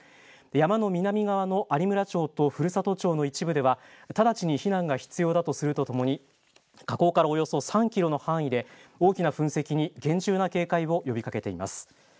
山の南側の有村町と古里町の一部では直ちに避難が必要だとするとともに火口からおよそ３キロの範囲で大きな噴石に厳重な警戒を呼びかけています。